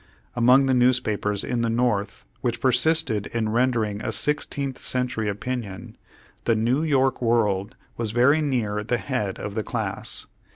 Among the newspapers in the North which per sisted in rendering a sixteenth century opinion, the Neiv York World was very near the head of the class.